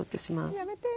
やめて。